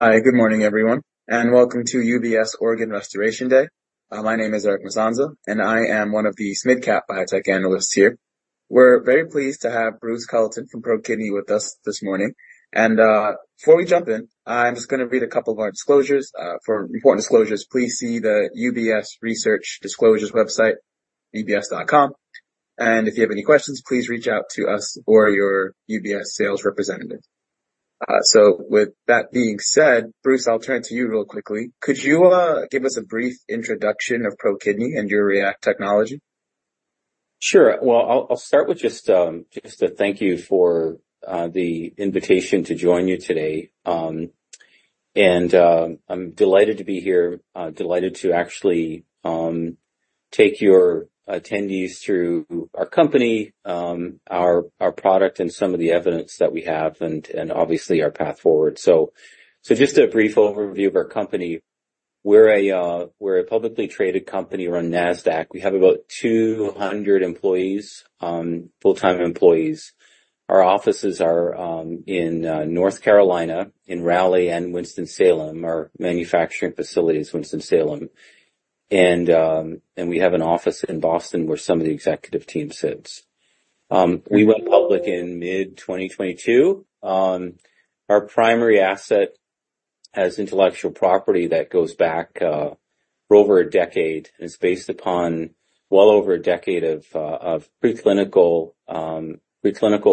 Hi, good morning, everyone, and welcome to UBS Organ Restoration Day. My name is Erick Masanza, and I am one of the SMID Cap biotech analysts here. We're very pleased to have Bruce Culleton from ProKidney with us this morning. And, before we jump in, I'm just going to read a couple of our disclosures. For important disclosures, please see the UBS Research disclosures website, ubs.com. And if you have any questions, please reach out to us or your UBS sales representative. So with that being said, Bruce, I'll turn to you real quickly. Could you give us a brief introduction of ProKidney and your REACT technology? Sure. Well, I'll start with just a thank you for the invitation to join you today. And, I'm delighted to be here, delighted to actually take your attendees through our company, our product and some of the evidence that we have and obviously, our path forward. So, just a brief overview of our company. We're a publicly traded company, we're on Nasdaq. We have about 200 employees, full-time employees. Our offices are in North Carolina, in Raleigh and Winston-Salem. Our manufacturing facility is Winston-Salem. And we have an office in Boston, where some of the executive team sits. We went public in mid-2022. Our primary asset has intellectual property that goes back for over a decade and is based upon well over a decade of preclinical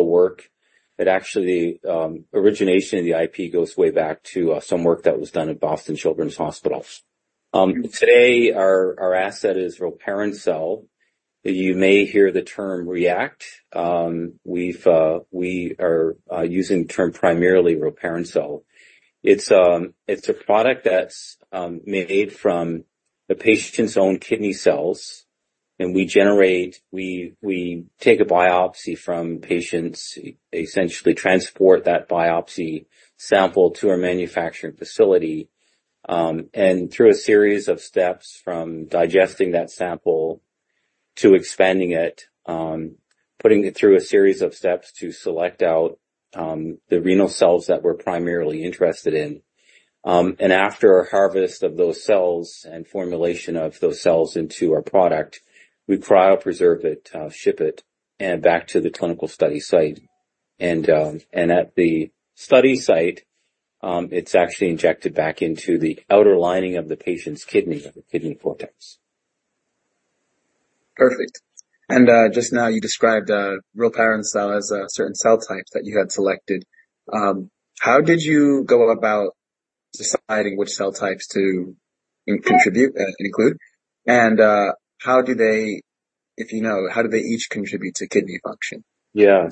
work, but actually origination of the IP goes way back to some work that was done at Boston Children's Hospital. Today, our asset is rilparencel. You may hear the term REACT. We are using the term primarily rilparencel. It's a product that's made from the patient's own kidney cells, and we take a biopsy from patients, essentially transport that biopsy sample to our manufacturing facility, and through a series of steps, from digesting that sample to expanding it, putting it through a series of steps to select out the renal cells that we're primarily interested in. After our harvest of those cells and formulation of those cells into our product, we cryopreserve it, ship it back to the clinical study site. At the study site, it's actually injected back into the outer lining of the patient's kidney, the kidney cortex. Perfect. And, just now, you described rilparencel as a certain cell type that you had selected. How did you go about deciding which cell types to include? And, if you know, how do they each contribute to kidney function? Yeah.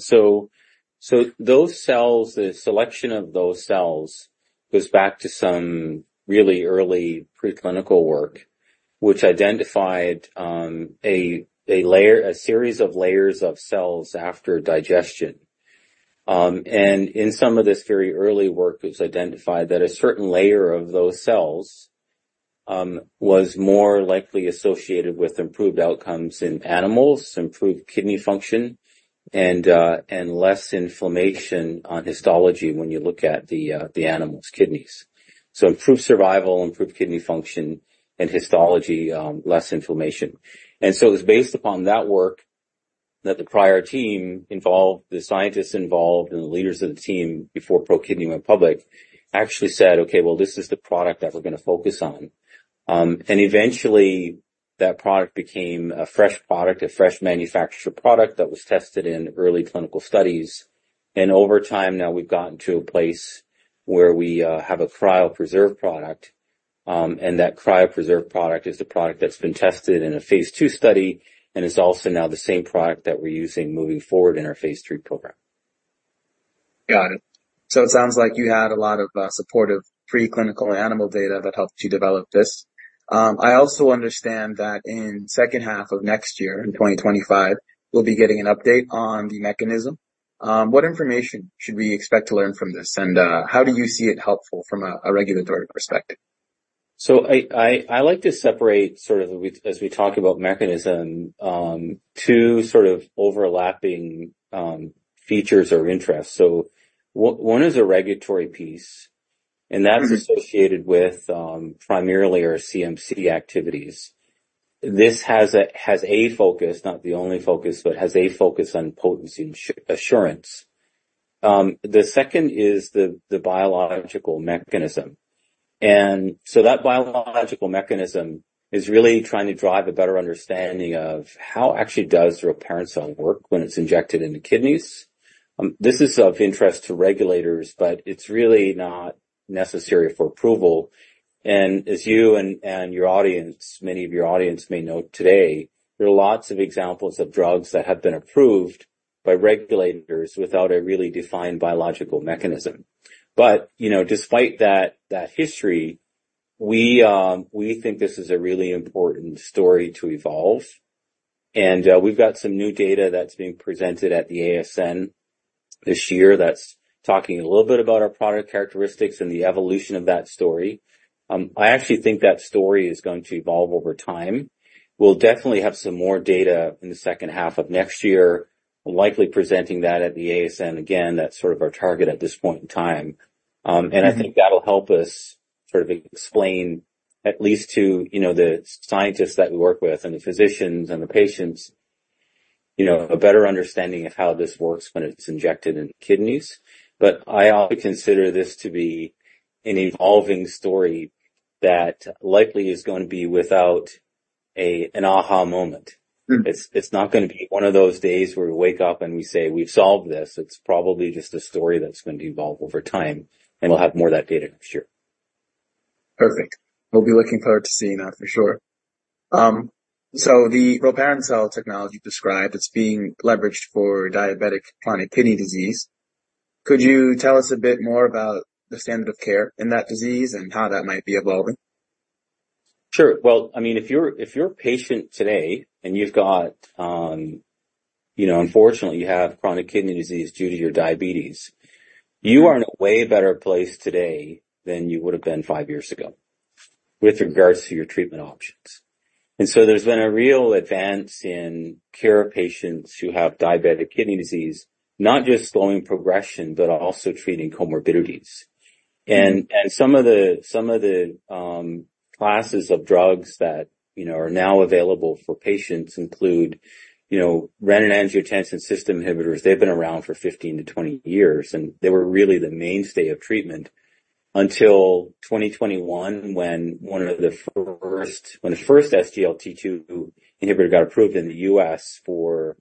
So those cells, the selection of those cells goes back to some really early preclinical work, which identified a layer, a series of layers of cells after digestion. And in some of this very early work, it was identified that a certain layer of those cells was more likely associated with improved outcomes in animals, improved kidney function, and less inflammation on histology when you look at the animal's kidneys. So improved survival, improved kidney function, and histology, less inflammation. And so it was based upon that work that the prior team involved, the scientists involved and the leaders of the team before ProKidney went public, actually said, "Okay, well, this is the product that we're going to focus on." And eventually, that product became a fresh product, a fresh manufactured product that was tested in early clinical studies. And over time, now we've gotten to a place where we have a cryopreserved product, and that cryopreserved product is the product that's been tested in a phase II study, and is also now the same product that we're using moving forward in our phase III program. Got it. So it sounds like you had a lot of supportive preclinical animal data that helped you develop this. I also understand that in second half of next year, in twenty twenty-five, we'll be getting an update on the mechanism. What information should we expect to learn from this, and how do you see it helpful from a regulatory perspective? I like to separate, sort of, as we talk about mechanism, two sort of overlapping features or interests. One is a regulatory piece, and that's associated with, primarily our CMC activities. This has a focus, not the only focus, but has a focus on potency and assurance. The second is the biological mechanism. And so that biological mechanism is really trying to drive a better understanding of how actually does rilparencel work when it's injected into kidneys? This is of interest to regulators, but it's really not necessary for approval. And as you and your audience, many of your audience may know today, there are lots of examples of drugs that have been approved by regulators without a really defined biological mechanism. But, you know, despite that, that history, we, we think this is a really important story to evolve, and, we've got some new data that's being presented at the ASN this year that's talking a little bit about our product characteristics and the evolution of that story. I actually think that story is going to evolve over time. We'll definitely have some more data in the second half of next year.... likely presenting that at the ASN. Again, that's sort of our target at this point in time. And I think that'll help us sort of explain, at least to, you know, the scientists that we work with and the physicians and the patients, you know, a better understanding of how this works when it's injected into kidneys. But I also consider this to be an evolving story that likely is going to be without an aha moment. It's not going to be one of those days where we wake up, and we say, "We've solved this." It's probably just a story that's going to evolve over time, and we'll have more of that data next year. Perfect. We'll be looking forward to seeing that for sure. So the parenchymal cell technology described, it's being leveraged for diabetic chronic kidney disease. Could you tell us a bit more about the standard of care in that disease and how that might be evolving? Sure. Well, I mean, if you're a patient today, and you've got, you know, unfortunately, you have chronic kidney disease due to your diabetes, you are in a way better place today than you would have been five years ago with regards to your treatment options. And so there's been a real advance in care of patients who have diabetic kidney disease, not just slowing progression, but also treating comorbidities. And some of the classes of drugs that, you know, are now available for patients include, you know, renin-angiotensin system inhibitors. They've been around for fifteen to twenty years, and they were really the mainstay of treatment until twenty twenty-one, when the first SGLT2 inhibitor got approved in the U.S. for,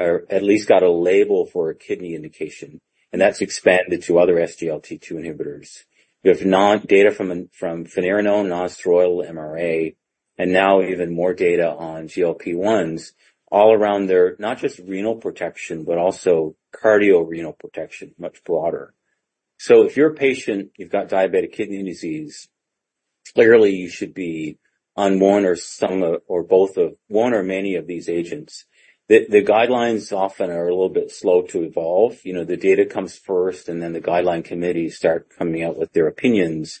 or at least got a label for a kidney indication, and that's expanded to other SGLT2 inhibitors. We have data from finerenone, non-steroidal MRA, and now even more data on GLP-1s all around they're not just renal protection, but also cardiorenal protection, much broader. So if you're a patient, you've got diabetic kidney disease, clearly you should be on one or some of, or both of... one or many of these agents. The guidelines often are a little bit slow to evolve. You know, the data comes first, and then the guideline committees start coming out with their opinions.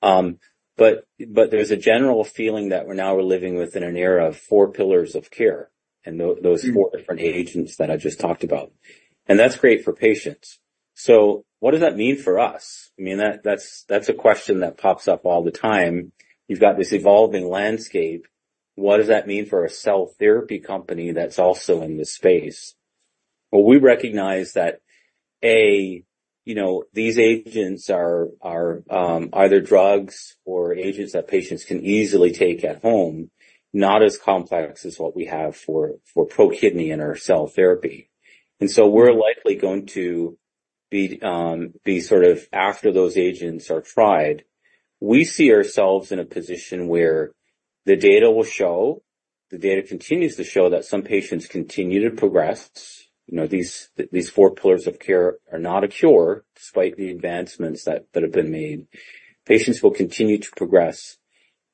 There's a general feeling that we're living within an era of four pillars of care, and those four different agents that I just talked about. That's great for patients. What does that mean for us? I mean, that's a question that pops up all the time. You've got this evolving landscape. What does that mean for a cell therapy company that's also in this space? We recognize that, A, you know, these agents are either drugs or agents that patients can easily take at home, not as complex as what we have for ProKidney and our cell therapy. We're likely going to be sort of after those agents are tried. We see ourselves in a position where the data will show, the data continues to show that some patients continue to progress. You know, these four pillars of care are not a cure, despite the advancements that have been made. Patients will continue to progress,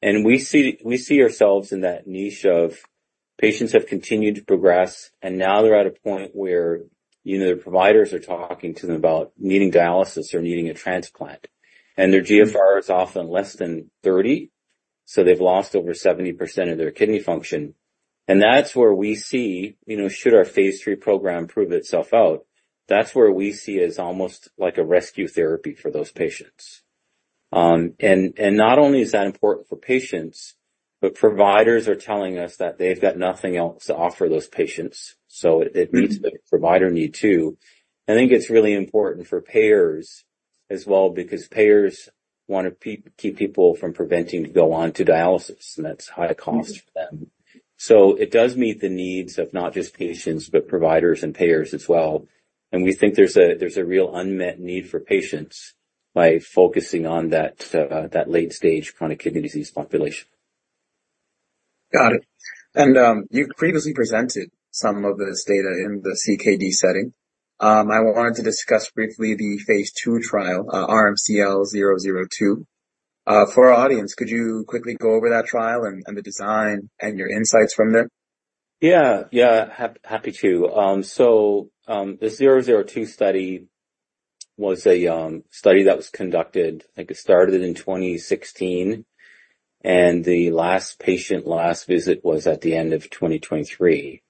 and we see ourselves in that niche of patients have continued to progress, and now they're at a point where, you know, their providers are talking to them about needing dialysis or needing a transplant, their GFR is often less than 30, so they've lost over 70% of their kidney function. That's where we see, you know, should our phase three program prove itself out, that's where we see as almost like a rescue therapy for those patients, and not only is that important for patients, but providers are telling us that they've got nothing else to offer those patients, so it meets the provider need, too. I think it's really important for payers as well, because payers want to keep people from going on to dialysis, and that's high cost for them. So it does meet the needs of not just patients, but providers and payers as well. And we think there's a real unmet need for patients by focusing on that late-stage chronic kidney disease population. Got it, and you've previously presented some of this data in the CKD setting. I wanted to discuss briefly the phase two trial, RMCL-002. For our audience, could you quickly go over that trial and the design and your insights from there? Yeah. Yeah, happy to. So, the 002 study was a study that was conducted. I think it started in 2016, and the last patient, last visit was at the end of 2023.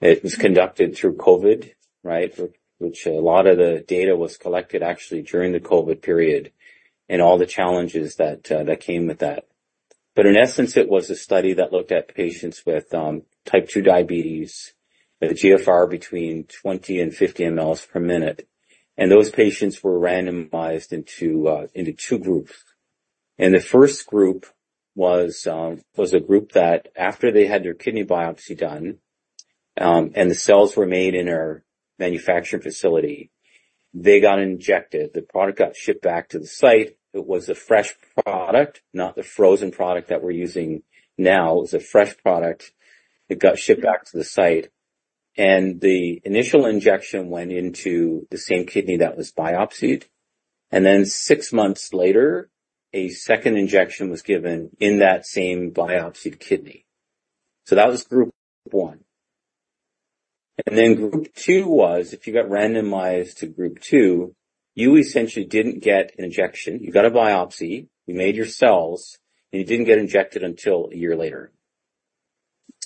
It was conducted through COVID, right? Which a lot of the data was collected actually during the COVID period and all the challenges that came with that. But in essence, it was a study that looked at patients with type 2 diabetes, with a GFR between 20 and 50 mL/min, and those patients were randomized into two groups. The first group was a group that after they had their kidney biopsy done, and the cells were made in our manufacturing facility, they got injected. The product got shipped back to the site. It was a fresh product, not the frozen product that we're using now. It was a fresh product. It got shipped back to the site, and the initial injection went into the same kidney that was biopsied. And then six months later, a second injection was given in that same biopsied kidney. So that was group one. And then group two was, if you got randomized to group two, you essentially didn't get an injection, you got a biopsy, you made your cells, and you didn't get injected until a year later.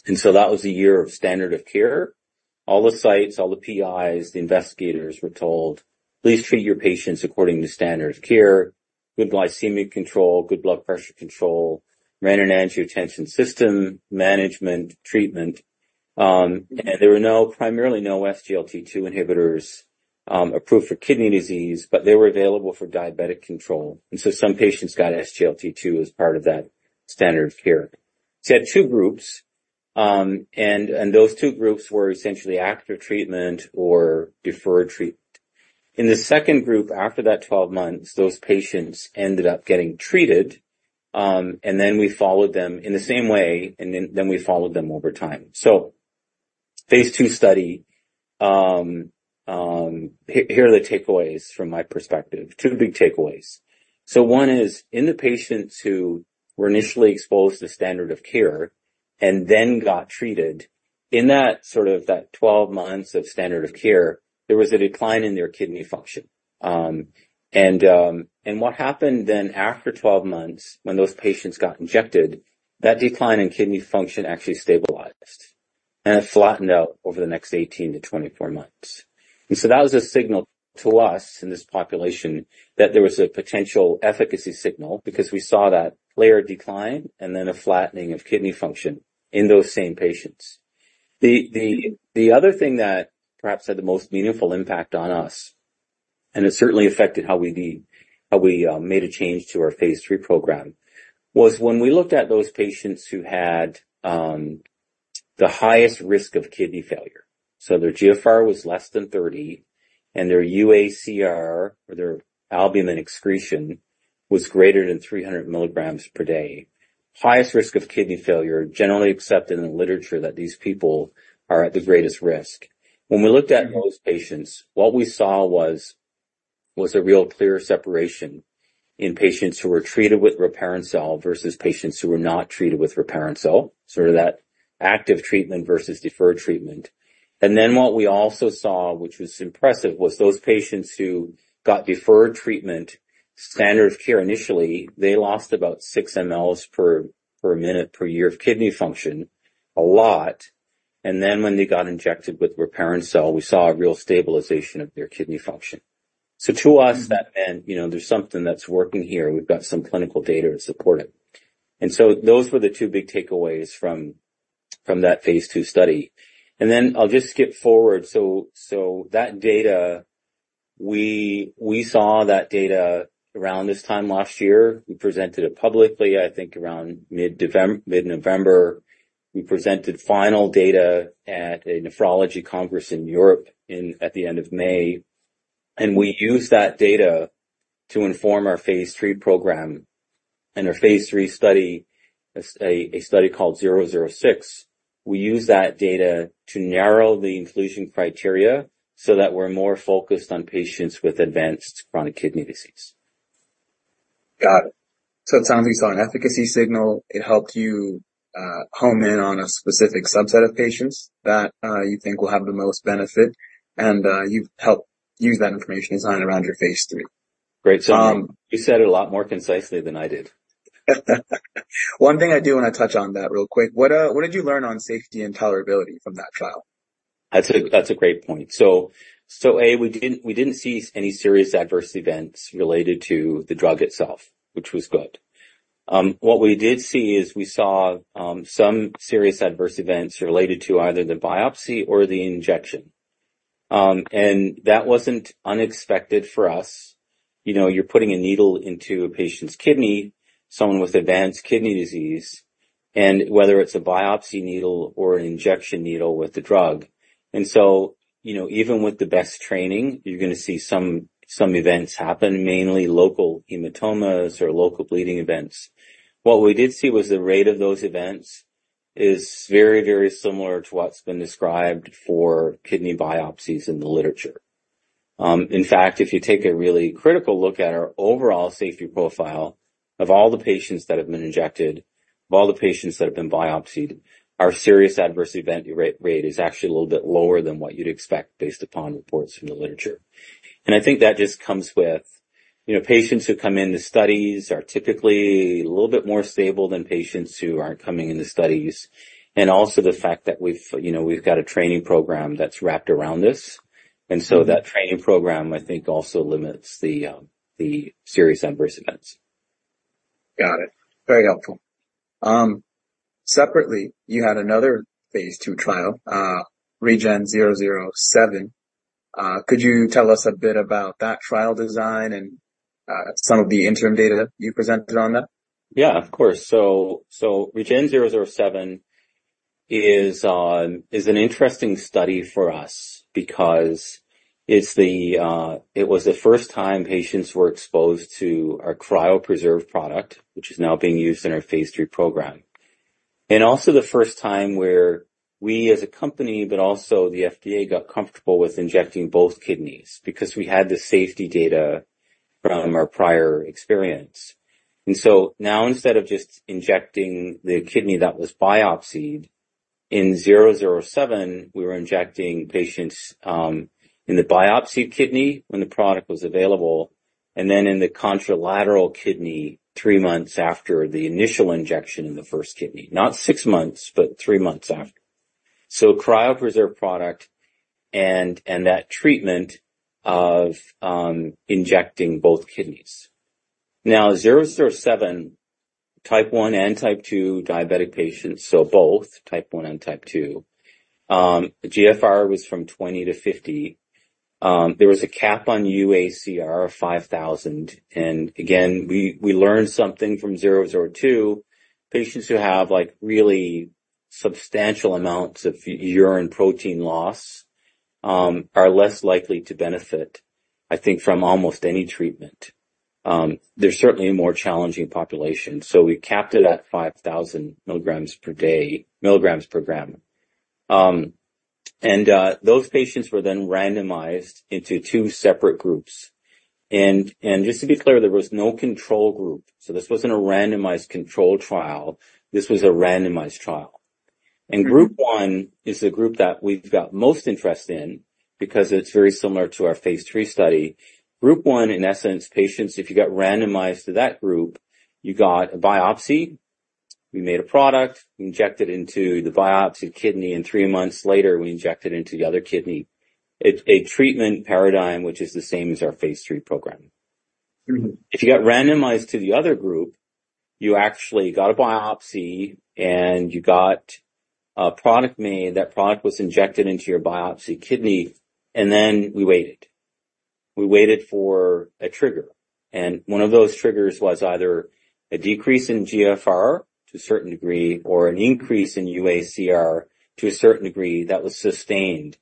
And so that was a year of standard of care. All the sites, all the PIs, the investigators were told, "Please treat your patients according to standard of care, good glycemic control, good blood pressure control, renin-angiotensin system management treatment," and there were primarily no SGLT2 inhibitors approved for kidney disease, but they were available for diabetic control, and so some patients got SGLT2 as part of that standard of care, so you had two groups, and those two groups were essentially active treatment or deferred treatment. In the second group, after that 12 months, those patients ended up getting treated, and then we followed them in the same way, and then we followed them over time, so phase two study, here are the takeaways from my perspective, two big takeaways. One is, in the patients who were initially exposed to standard of care and then got treated, in that sort of 12 months of standard of care, there was a decline in their kidney function. What happened then after 12 months, when those patients got injected, that decline in kidney function actually stabilized, and it flattened out over the next 18–24 months. And so that was a signal to us in this population that there was a potential efficacy signal because we saw that layer of decline and then a flattening of kidney function in those same patients. The other thing that perhaps had the most meaningful impact on us, and it certainly affected how we made a change to our Phase III program, was when we looked at those patients who had the highest risk of kidney failure, their GFR was less than 30, and their UACR, or their albumin excretion, was greater than 300 milligrams per day, highest risk of kidney failure, generally accepted in the literature that these people are at the greatest risk. When we looked at those patients, what we saw was a real clear separation in patients who were treated with rilparencel versus patients who were not treated with rilparencel, sort of that active treatment versus deferred treatment. And then what we also saw, which was impressive, was those patients who got deferred treatment, standard of care, initially. They lost about six mL per minute per year of kidney function, a lot, and then when they got injected with rilparencel, we saw a real stabilization of their kidney function. So to us, that meant, you know, there's something that's working here, and we've got some clinical data to support it. And so those were the two big takeaways from that Phase II study. And then I'll just skip forward. So that data, we saw that data around this time last year. We presented it publicly, I think, around mid-November. We presented final data at a nephrology congress in Europe at the end of May, and we used that data to inform our Phase III program and our Phase III study, a study called RMCL-006. We used that data to narrow the inclusion criteria so that we're more focused on patients with advanced chronic kidney disease. Got it. So it sounds like you saw an efficacy signal. It helped you hone in on a specific subset of patients that you think will have the most benefit, and you've helped use that information design around your phase three. Great summary. Um- You said it a lot more concisely than I did. One thing I do want to touch on that real quick, what, what did you learn on safety and tolerability from that trial? That's a great point. So, we didn't see any serious adverse events related to the drug itself, which was good. What we did see is we saw some serious adverse events related to either the biopsy or the injection. And that wasn't unexpected for us. You know, you're putting a needle into a patient's kidney, someone with advanced kidney disease, and whether it's a biopsy needle or an injection needle with the drug. And so, you know, even with the best training, you're going to see some events happen, mainly local hematomas or local bleeding events. What we did see was the rate of those events is very, very similar to what's been described for kidney biopsies in the literature. In fact, if you take a really critical look at our overall safety profile, of all the patients that have been injected, of all the patients that have been biopsied, our serious adverse event rate is actually a little bit lower than what you'd expect based upon reports from the literature. And I think that just comes with, you know, patients who come into studies are typically a little bit more stable than patients who aren't coming into studies, and also the fact that, you know, we've got a training program that's wrapped around this. And so that training program, I think, also limits the serious adverse events. Got it. Very helpful. Separately, you had another phase two trial, REGEN-007. Could you tell us a bit about that trial design and some of the interim data that you presented on that? Yeah, of course. REGEN-007 is an interesting study for us because it was the first time patients were exposed to our cryopreserved product, which is now being used in our Phase III program. And also the first time where we, as a company, but also the FDA, got comfortable with injecting both kidneys because we had the safety data from our prior experience. So now, instead of just injecting the kidney that was biopsied, in 007, we were injecting patients in the biopsied kidney when the product was available, and then in the contralateral kidney, three months after the initial injection in the first kidney. Not six months, but three months after. So cryopreserved product and that treatment of injecting both kidneys. Now, 007, type 1 and type 2 diabetic patients, so both type 1 and type 2, the GFR was from 20–50. There was a cap on UACR of 5,000, and again, we learned something from 007. Patients who have, like, really substantial amounts of urine protein loss are less likely to benefit, I think, from almost any treatment. They're certainly a more challenging population, so we capped it at 5,000 milligrams per day, milligrams per gram, and those patients were then randomized into two separate groups, and just to be clear, there was no control group, so this wasn't a randomized controlled trial, this was a randomized trial, and group one is the group that we've got most interest in because it's very similar to our Phase III study. Group One, in essence, patients, if you got randomized to that group, you got a biopsy. We made a product, injected into the biopsied kidney, and three months later, we injected into the other kidney. It's a treatment paradigm, which is the same as our Phase III program. Mm-hmm. If you got randomized to the other group, you actually got a biopsy, and you got a product made. That product was injected into your biopsied kidney, and then we waited. We waited for a trigger, and one of those triggers was either a decrease in GFR to a certain degree or an increase in UACR to a certain degree that was sustained,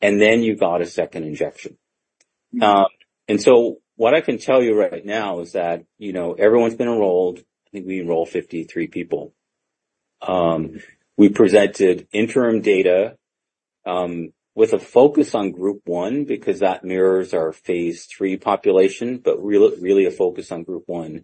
and then you got a second injection. And so what I can tell you right now is that, you know, everyone's been enrolled. I think we enrolled fifty-three people. We presented interim data, with a focus on group one, because that mirrors our phase three population, but really a focus on group one.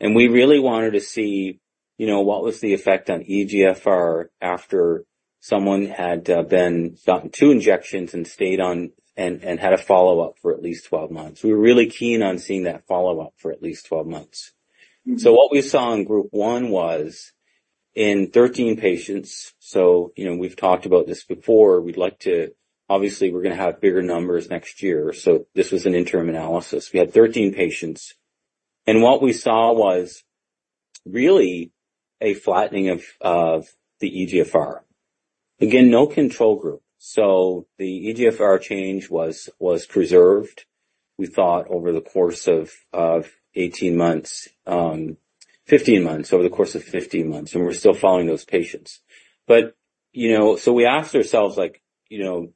We really wanted to see, you know, what was the effect on eGFR after someone had been given two injections and stayed on and had a follow-up for at least twelve months. We were really keen on seeing that follow-up for at least twelve months. Mm-hmm. What we saw in group one was in 13 patients, so, you know, we've talked about this before. Obviously, we're gonna have bigger numbers next year, so this was an interim analysis. We had 13 patients, and what we saw was really a flattening of the eGFR. Again, no control group, so the eGFR change was preserved, we thought, over the course of 15 months, and we're still following those patients, but you know, we asked ourselves, like, you know,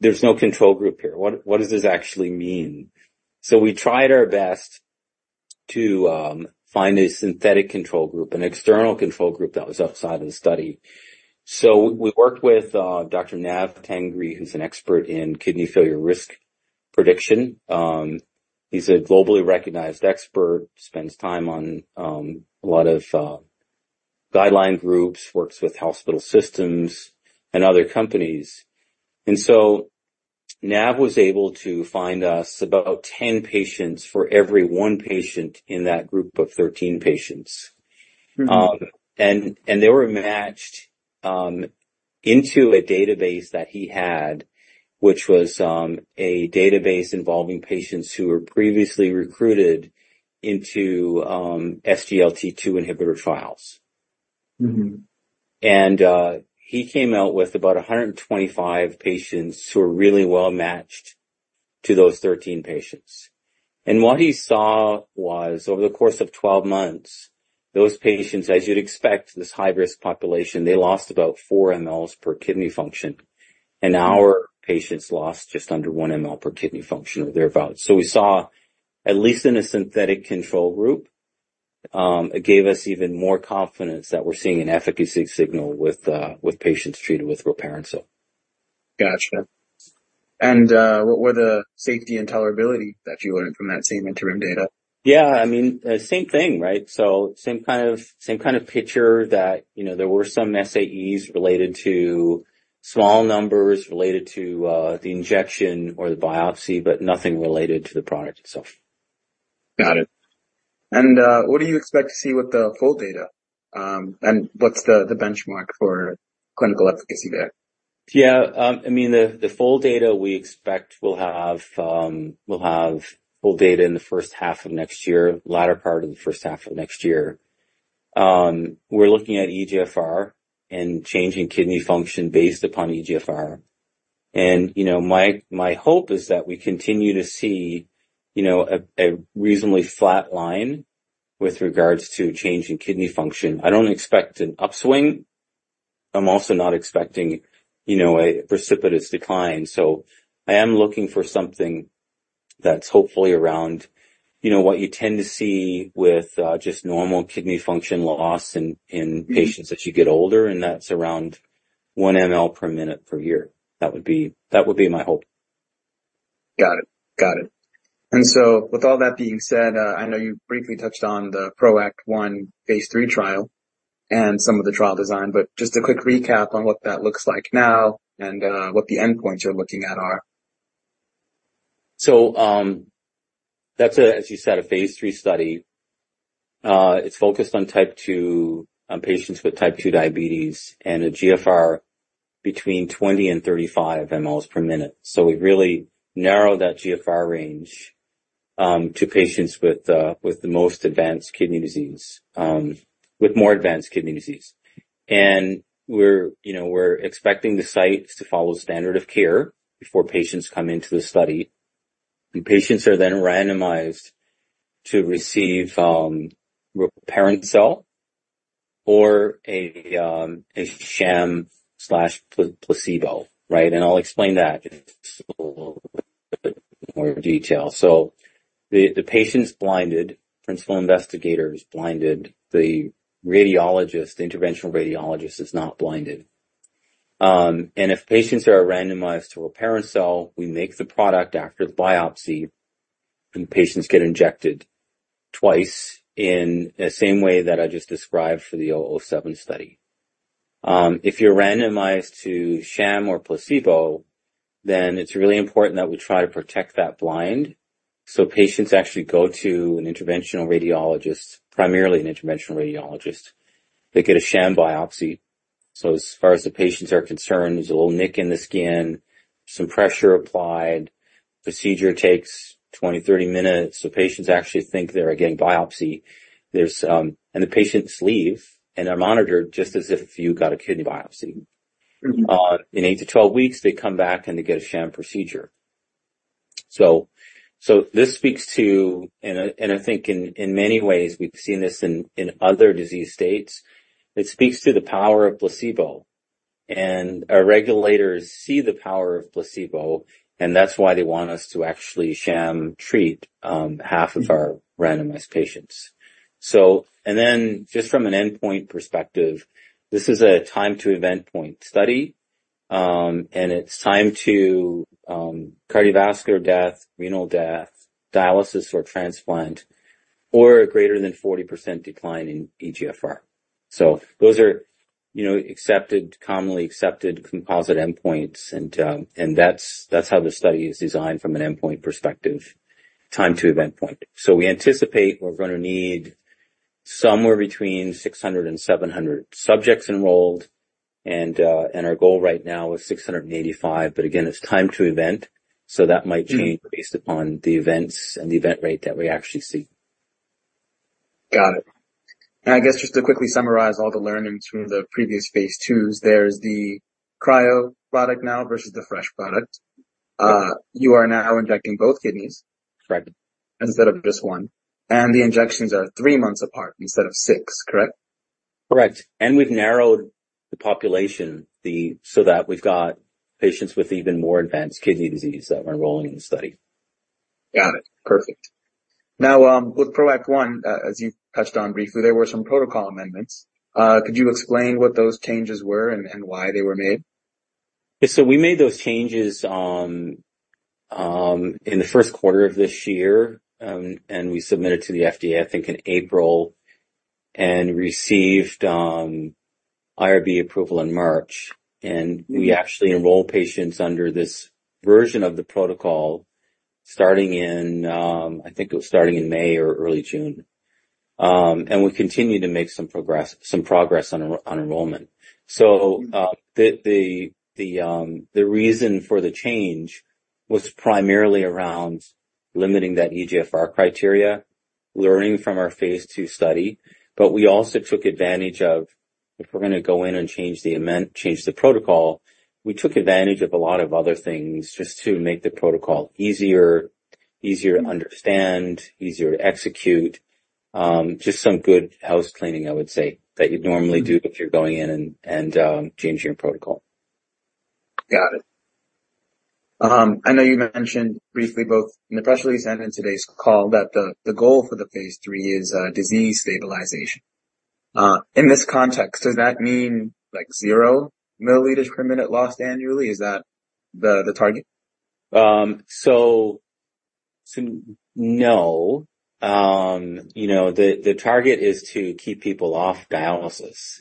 there's no control group here. What does this actually mean? We tried our best to find a synthetic control group, an external control group that was outside of the study. We worked with Dr. Nav Tangri, who's an expert in kidney failure risk prediction. He's a globally recognized expert, spends time on a lot of guideline groups, works with hospital systems and other companies, and so Nav was able to find us about 10 patients for every one patient in that group of 13 patients. Mm-hmm. They were matched into a database that he had, which was a database involving patients who were previously recruited into SGLT2 inhibitor trials. Mm-hmm. He came out with about 125 patients who were really well-matched to those 13 patients. What he saw was, over the course of 12 months, those patients, as you'd expect, this high-risk population, they lost about four mL per kidney function, and our patients lost just under one mL per kidney function or thereabout. We saw, at least in a synthetic control group, it gave us even more confidence that we're seeing an efficacy signal with, with patients treated with rilparencel. Gotcha. And, what were the safety and tolerability that you learned from that same interim data? Yeah, I mean, same thing, right? So same kind of picture that, you know, there were some SAEs related to small numbers, related to the injection or the biopsy, but nothing related to the product itself. Got it. And what do you expect to see with the full data? And what's the benchmark for clinical efficacy there? Yeah, I mean, the full data we expect will have full data in the first half of next year, latter part of the first half of next year. We're looking at eGFR and change in kidney function based upon eGFR. And, you know, my hope is that we continue to see, you know, a reasonably flat line with regards to change in kidney function. I don't expect an upswing. I'm also not expecting, you know, a precipitous decline, so I am looking for something that's hopefully around, you know, what you tend to see with just normal kidney function loss in patients- Mm-hmm. As you get older, and that's around one ml per minute per year. That would be, that would be my hope. Got it. Got it. And so with all that being said, I know you briefly touched on the PROACT 1 Phase III trial and some of the trial design, but just a quick recap on what that looks like now and, what the endpoints you're looking at are. That's a Phase III study, as you said. It's focused on patients with type 2 diabetes and a GFR between 20 and 35 mL per minute. We've really narrowed that GFR range to patients with the most advanced kidney disease. We're, you know, expecting the sites to follow standard of care before patients come into the study. The patients are then randomized to receive rilparencel or a sham placebo, right? I'll explain that in just a little bit more detail. The patient's blinded, principal investigator is blinded, the radiologist, the interventional radiologist is not blinded. And if patients are randomized to rilparencel, we make the product after the biopsy, and patients get injected twice in the same way that I just described for the REGEN-007 study. If you're randomized to sham or placebo, then it's really important that we try to protect that blind. So patients actually go to an interventional radiologist, primarily an interventional radiologist. They get a sham biopsy, so as far as the patients are concerned, there's a little nick in the skin, some pressure applied. Procedure takes 20, 30 minutes, so patients actually think they're getting biopsy. And the patients leave, and they're monitored just as if you got a kidney biopsy. Mm-hmm. In eight to twelve weeks, they come back, and they get a sham procedure. This speaks to, and I think in many ways, we've seen this in other disease states, it speaks to the power of placebo. Our regulators see the power of placebo, and that's why they want us to actually sham treat half of our randomized patients. Then just from an endpoint perspective, this is a time to event point study, and it's time to cardiovascular death, renal death, dialysis or transplant, or a greater than 40% decline in eGFR. Those are, you know, accepted, commonly accepted composite endpoints, and that's how the study is designed from an endpoint perspective, time to event point. So we anticipate we're gonna need somewhere between six hundred and seven hundred subjects enrolled, and our goal right now is six hundred and eighty-five, but again, it's time to event, so that might change- Mm. Based upon the events and the event rate that we actually see. Got it. And I guess just to quickly summarize all the learnings from the previous phase twos, there's the cryo product now versus the fresh product. You are now injecting both kidneys- Correct. instead of just one, and the injections are three months apart instead of six, correct? Correct, and we've narrowed the population, so that we've got patients with even more advanced kidney disease that we're enrolling in the study. Got it. Perfect. Now, with PROACT 1, as you touched on briefly, there were some protocol amendments. Could you explain what those changes were and why they were made? Yeah, so we made those changes in the first quarter of this year, and we submitted to the FDA, I think, in April, and received IRB approval in March. Mm-hmm. We actually enrolled patients under this version of the protocol starting in, I think it was starting in May or early June. We continue to make some progress on enrollment. Mm. The reason for the change was primarily around limiting that eGFR criteria, learning from our phase two study, but we also took advantage of, if we're gonna go in and change the protocol, we took advantage of a lot of other things just to make the protocol easier, easier to understand, easier to execute. Just some good housecleaning, I would say, that you'd normally do. Mm-hmm... if you're going in and changing your protocol. Got it. I know you mentioned briefly, both in the press release and in today's call, that the goal for the Phase III is disease stabilization. In this context, does that mean like zero milliliters per minute lost annually? Is that the target? So no. You know, the target is to keep people off dialysis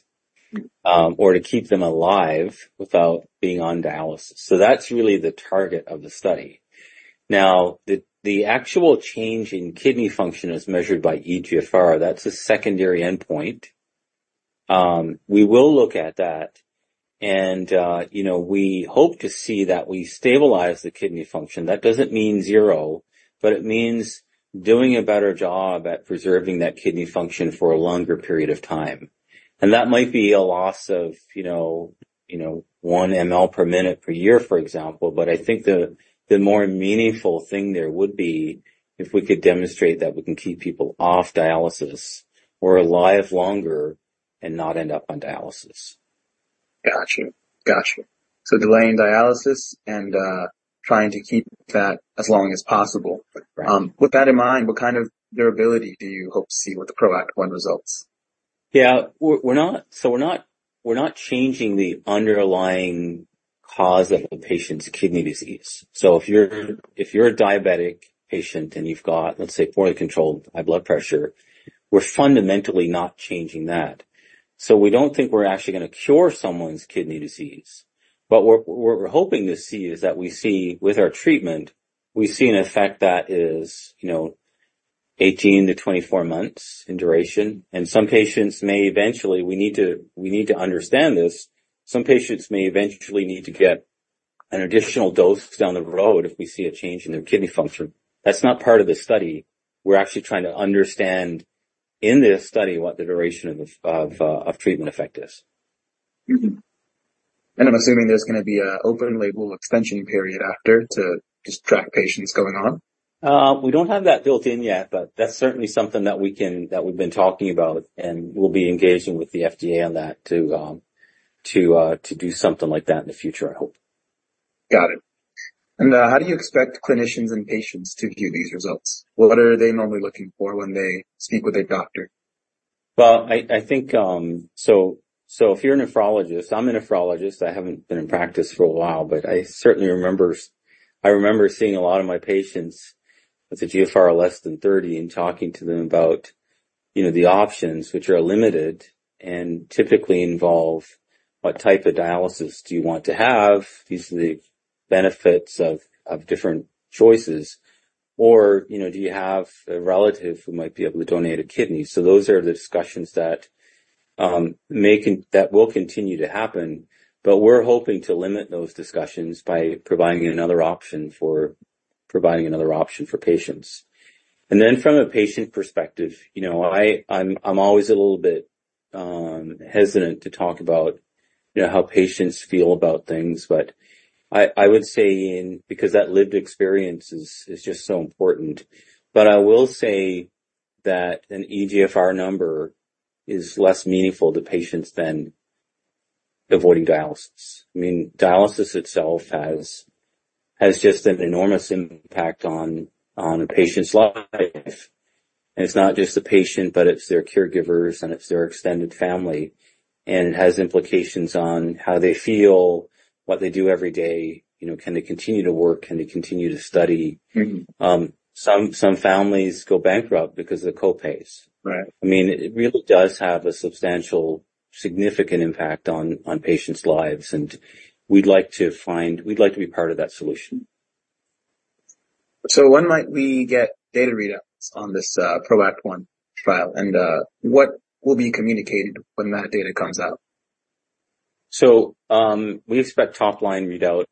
or to keep them alive without being on dialysis. So that's really the target of the study. Now, the actual change in kidney function as measured by eGFR, that's a secondary endpoint. We will look at that, and you know, we hope to see that we stabilize the kidney function. That doesn't mean zero, but it means doing a better job at preserving that kidney function for a longer period of time. And that might be a loss of, you know, one ml per minute per year, for example, but I think the more meaningful thing there would be if we could demonstrate that we can keep people off dialysis or alive longer and not end up on dialysis. Got you. Got you. So delaying dialysis and trying to keep that as long as possible. Right. With that in mind, what kind of durability do you hope to see with the PROACT 1 results? Yeah, we're not changing the underlying cause of a patient's kidney disease. So if you're a diabetic patient, and you've got, let's say, poorly controlled high blood pressure, we're fundamentally not changing that. So we don't think we're actually gonna cure someone's kidney disease. But what we're hoping to see is that we see, with our treatment, an effect that is, you know, eighteen to twenty-four months in duration, and some patients may eventually... we need to understand this. Some patients may eventually need to get an additional dose down the road if we see a change in their kidney function. That's not part of the study. We're actually trying to understand, in this study, what the duration of treatment effect is. Mm-hmm. And I'm assuming there's gonna be an open label extension period after to just track patients going on? We don't have that built in yet, but that's certainly something that we've been talking about, and we'll be engaging with the FDA on that to do something like that in the future, I hope. Got it. And, how do you expect clinicians and patients to view these results? What are they normally looking for when they speak with their doctor? I think, so if you're a nephrologist, I'm a nephrologist. I haven't been in practice for a while, but I certainly remember seeing a lot of my patients with a GFR less than thirty and talking to them about, you know, the options, which are limited and typically involve what type of dialysis do you want to have, these are the benefits of different choices, or, you know, do you have a relative who might be able to donate a kidney? Those are the discussions that will continue to happen, but we're hoping to limit those discussions by providing another option for patients. And then from a patient perspective, you know, I'm always a little bit hesitant to talk about, you know, how patients feel about things, but I would say, because that lived experience is just so important. But I will say that an eGFR number is less meaningful to patients than avoiding dialysis. I mean, dialysis itself has just an enormous impact on a patient's life, and it's not just the patient, but it's their caregivers, and it's their extended family, and it has implications on how they feel, what they do every day. You know, can they continue to work? Can they continue to study? Mm-hmm. Some families go bankrupt because of the copays. Right. I mean, it really does have a substantial, significant impact on, on patients' lives, and we'd like to be part of that solution. When might we get data readouts on this PROACT 1 trial, and what will be communicated when that data comes out? We expect top-line readout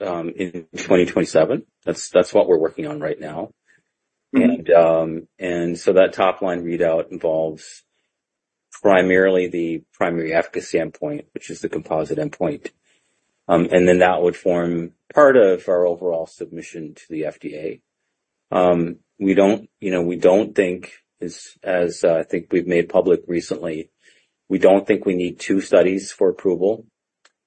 in 2027. That's what we're working on right now. Mm-hmm. So that top-line readout involves primarily the primary efficacy endpoint, which is the composite endpoint. Then that would form part of our overall submission to the FDA. We don't, you know, we don't think, as I think we've made public recently, we don't think we need two studies for approval.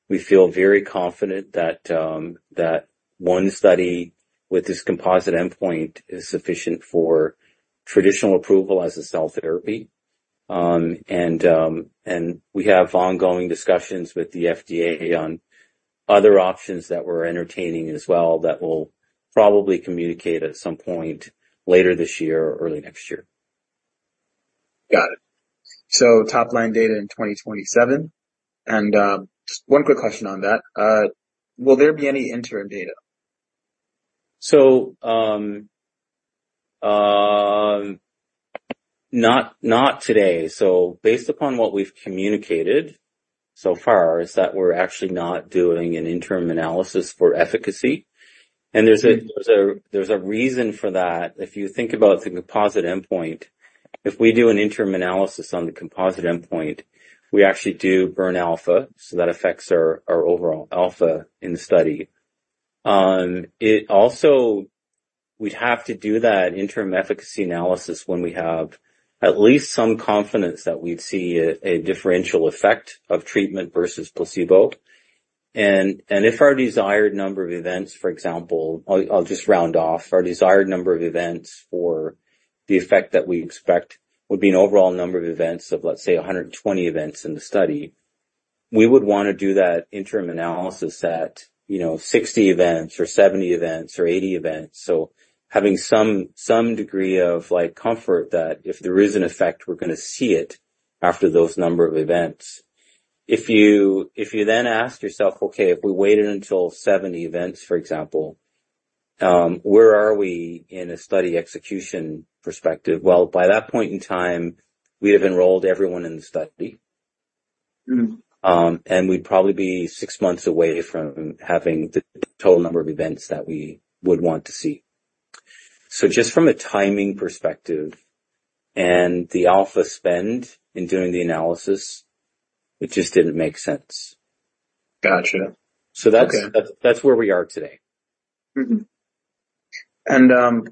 We feel very confident that one study with this composite endpoint is sufficient for traditional approval as a cell therapy. We have ongoing discussions with the FDA on other options that we're entertaining as well that we'll probably communicate at some point later this year or early next year. Got it. So top-line data in 2027. And, just one quick question on that. Will there be any interim data? So, not today. So based upon what we've communicated so far, is that we're actually not doing an interim analysis for efficacy, and there's a- Mm.... there's a reason for that. If you think about the composite endpoint, if we do an interim analysis on the composite endpoint, we actually do burn alpha, so that affects our overall alpha in the study. It also, we'd have to do that interim efficacy analysis when we have at least some confidence that we'd see a differential effect of treatment versus placebo. And if our desired number of events, for example, I'll just round off, our desired number of events for the effect that we expect would be an overall number of events of, let's say, a hundred and twenty events in the study. We would want to do that interim analysis at, you know, sixty events or seventy events or eighty events. So having some degree of like comfort that if there is an effect, we're gonna see it after those number of events. If you then ask yourself, okay, if we waited until 70 events, for example, where are we in a study execution perspective? Well, by that point in time, we'd have enrolled everyone in the study. Mm-hmm. and we'd probably be six months away from having the total number of events that we would want to see. So just from a timing perspective and the alpha spend in doing the analysis, it just didn't make sense. Gotcha. So that's- Okay. That's where we are today. Mm-hmm. And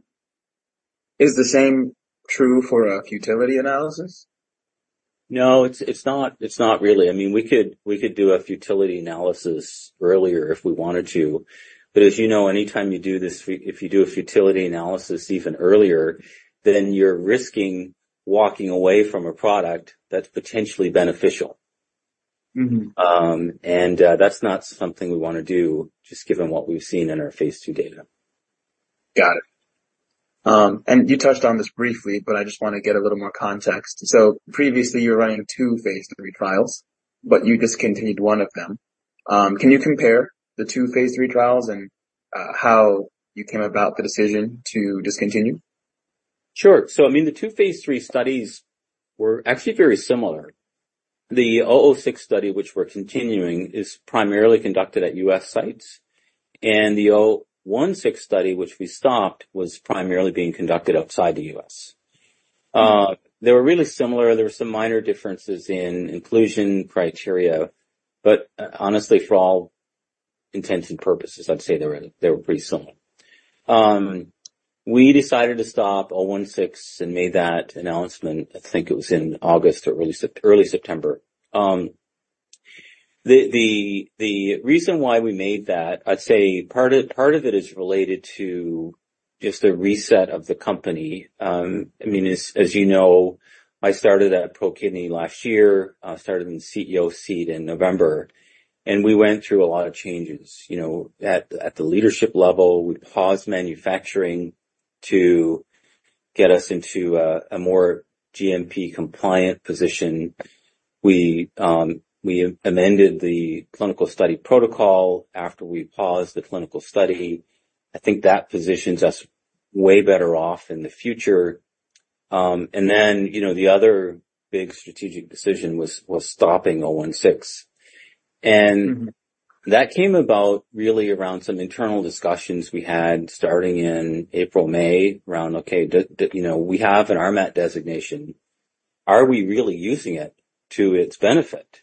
is the same true for a futility analysis? No, it's not. It's not really. I mean, we could do a futility analysis earlier if we wanted to, but as you know, anytime you do this, if you do a futility analysis even earlier, then you're risking walking away from a product that's potentially beneficial. Mm-hmm. And that's not something we wanna do, just given what we've seen in our phase two data. Got it. And you touched on this briefly, but I just wanna get a little more context. So previously, you were running two Phase III trials, but you discontinued one of them. Can you compare the two Phase III trials and how you came about the decision to discontinue? Sure. So, I mean, the two phase three studies were actually very similar. The RMCL-006 study, which we're continuing, is primarily conducted at U.S. sites, and the RMCL-016 study, which we stopped, was primarily being conducted outside the U.S. They were really similar. There were some minor differences in inclusion criteria, but honestly, for all intents and purposes, I'd say they were pretty similar. We decided to stop RMCL-016 and made that announcement, I think it was in August or early September. The reason why we made that, I'd say part of it is related to just the reset of the company. I mean, as you know, I started at ProKidney last year. I started in the CEO seat in November, and we went through a lot of changes, you know, at the leadership level. We paused manufacturing to get us into a more GMP-compliant position. We amended the clinical study protocol after we paused the clinical study. I think that positions us way better off in the future. And then, you know, the other big strategic decision was stopping RMCL-016. Mm-hmm. And that came about really around some internal discussions we had starting in April, May, around, okay, you know, we have an RMAT designation. Are we really using it to its benefit?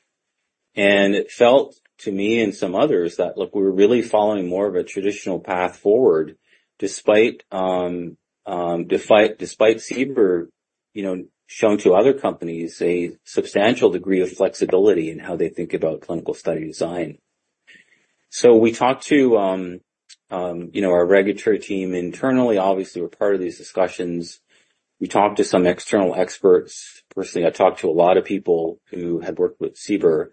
And it felt to me and some others that, look, we're really following more of a traditional path forward, despite CBER, you know, showing to other companies a substantial degree of flexibility in how they think about clinical study design. So we talked to, you know, our regulatory team internally. Obviously, we're part of these discussions. We talked to some external experts. Personally, I talked to a lot of people who had worked with CBER, and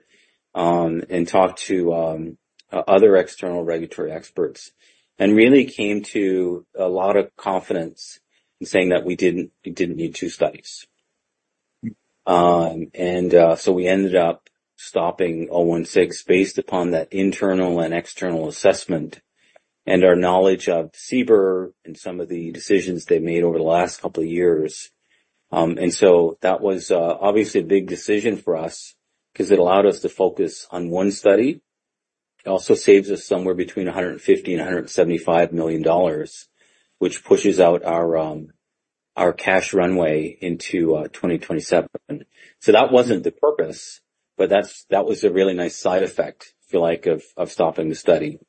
talked to other external regulatory experts, and really came to a lot of confidence in saying that we didn't, we didn't need two studies. We ended up stopping RMCL-016, based upon that internal and external assessment and our knowledge of CBER and some of the decisions they've made over the last couple of years. That was obviously a big decision for us because it allowed us to focus on one study. It also saves us somewhere between $150 and $175 million, which pushes out our cash runway into 2027. That wasn't the purpose, but that's, that was a really nice side effect, if you like, of stopping the study.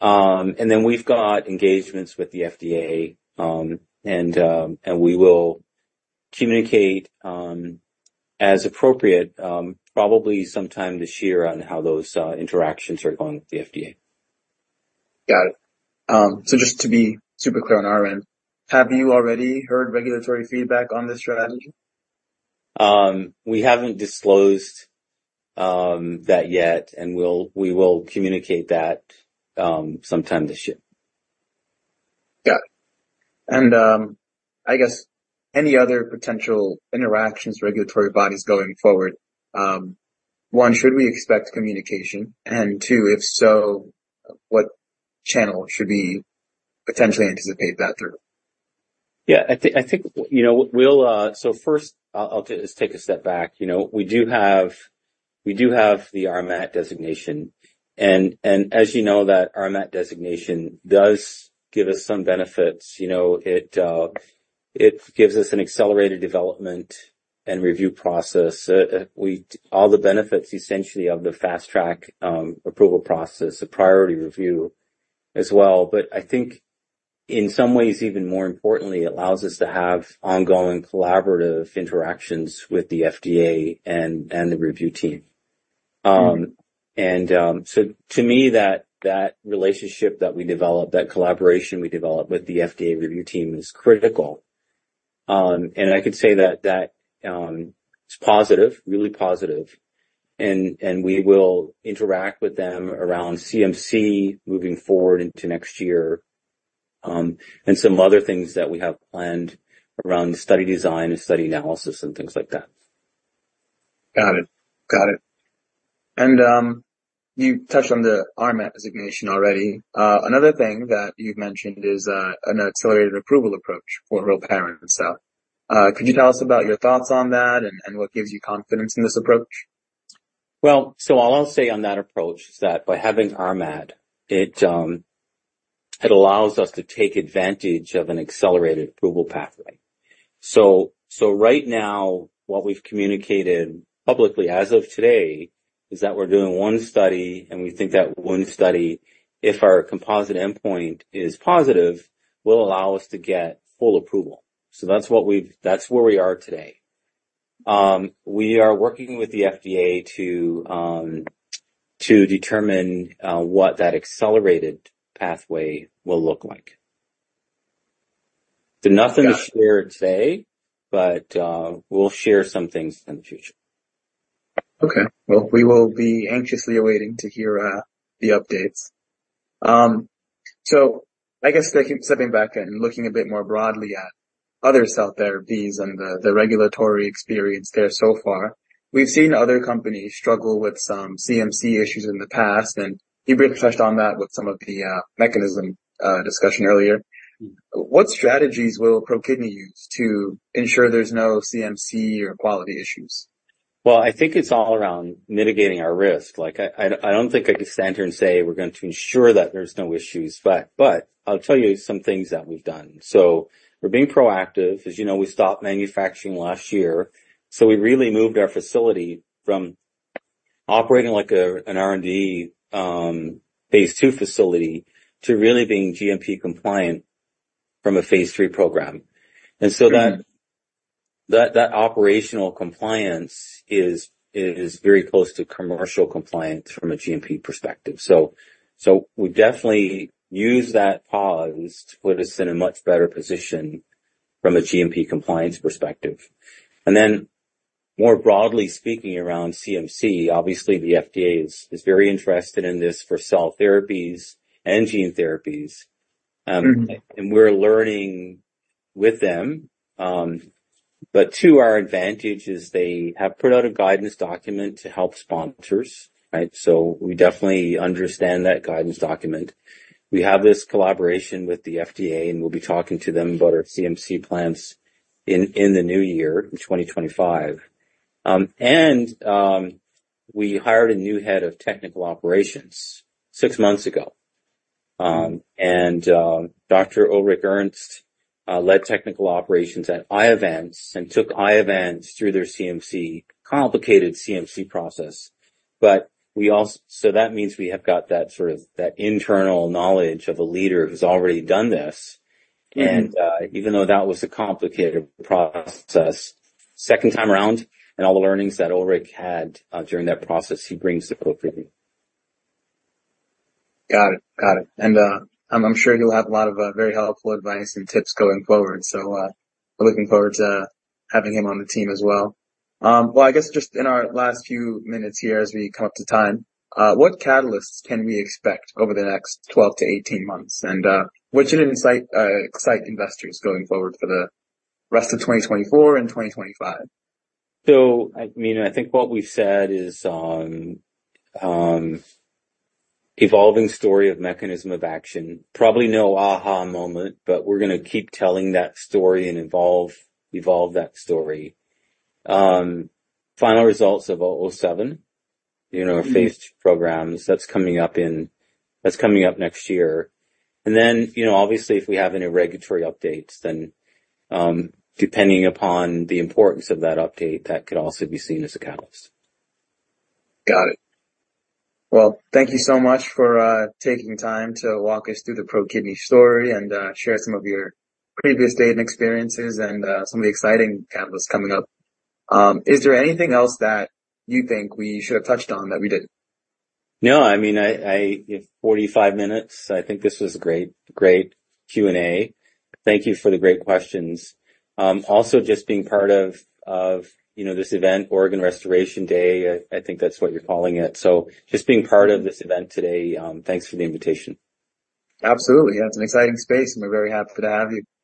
We've got engagements with the FDA, and we will communicate as appropriate, probably sometime this year on how those interactions are going with the FDA. Got it. So just to be super clear on our end, have you already heard regulatory feedback on this strategy? We haven't disclosed that yet, and we'll communicate that sometime this year. Got it. And, I guess any other potential interactions, regulatory bodies going forward, one, should we expect communication? And two, if so, what channel should we potentially anticipate that through? Yeah, I think, you know, we'll. So first, I'll just take a step back. You know, we do have the RMAT designation, and as you know, that RMAT designation does give us some benefits. You know, it gives us an accelerated development and review process. All the benefits, essentially, of the fast track approval process, the priority review as well. But I think in some ways, even more importantly, it allows us to have ongoing collaborative interactions with the FDA and the review team. And so to me, that relationship that we develop, that collaboration we develop with the FDA review team is critical. I can say that is positive, really positive, and we will interact with them around CMC moving forward into next year, and some other things that we have planned around the study design and study analysis and things like that. Got it. Got it. And, you touched on the RMAT designation already. Another thing that you've mentioned is an accelerated approval approach for rilparencel itself. Could you tell us about your thoughts on that and what gives you confidence in this approach? All I'll say on that approach is that by having RMAT, it allows us to take advantage of an accelerated approval pathway. Right now, what we've communicated publicly as of today is that we're doing one study, and we think that one study, if our composite endpoint is positive, will allow us to get full approval. That's where we are today. We are working with the FDA to determine what that accelerated pathway will look like. Nothing to share today, but we'll share some things in the future. Okay. Well, we will be anxiously awaiting to hear the updates. So I guess stepping back and looking a bit more broadly at other cell therapies and the regulatory experience there so far, we've seen other companies struggle with some CMC issues in the past, and you briefly touched on that with some of the mechanism discussion earlier. What strategies will ProKidney use to ensure there's no CMC or quality issues? I think it's all around mitigating our risk. Like, I don't think I could stand here and say, we're going to ensure that there's no issues, but I'll tell you some things that we've done. We're being proactive. As you know, we stopped manufacturing last year, so we really moved our facility from operating like an R&D phase II facility to really being GMP compliant from a phase III program. Mm-hmm. And so that operational compliance is very close to commercial compliance from a GMP perspective. So we definitely used that pause to put us in a much better position from a GMP compliance perspective. And then, more broadly speaking, around CMC, obviously the FDA is very interested in this for cell therapies and gene therapies. Mm-hmm. And we're learning with them, but to our advantage is they have put out a guidance document to help sponsors, right? So we definitely understand that guidance document. We have this collaboration with the FDA, and we'll be talking to them about our CMC plans in the new year, in 2025. And we hired a new head of technical operations six months ago. And Dr. Ulrich Ernst led technical operations at Iovance and took Iovance through their CMC complicated CMC process. But we also, so that means we have got that sort of, that internal knowledge of a leader who's already done this. Mm-hmm. Even though that was a complicated process, second time around, and all the learnings that Ulrich had during that process, he brings to ProKidney. Got it. Got it. And I'm sure he'll have a lot of very helpful advice and tips going forward. So we're looking forward to having him on the team as well. Well, I guess just in our last few minutes here, as we come up to time, what catalysts can we expect over the next 12-18 months, and what should excite investors going forward for the rest of 2024 and 2025? So, I mean, I think what we've said is, evolving story of mechanism of action. Probably no aha moment, but we're going to keep telling that story and evolve that story. Final results of REGEN-007, you know, our phase programs, that's coming up next year. And then, you know, obviously, if we have any regulatory updates, then, depending upon the importance of that update, that could also be seen as a catalyst. Got it. Well, thank you so much for taking time to walk us through the ProKidney story and share some of your previous data and experiences and some of the exciting catalysts coming up. Is there anything else that you think we should have touched on that we didn't? No, I mean, forty-five minutes, I think this was a great, great Q&A. Thank you for the great questions. Also, just being part of, you know, this event, Organ Restoration Day, I think that's what you're calling it. So just being part of this event today, thanks for the invitation. Absolutely. Yeah, it's an exciting space, and we're very happy to have you.